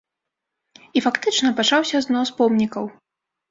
І фактычна пачаўся знос помнікаў.